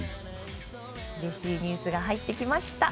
うれしいニュースが入ってきました。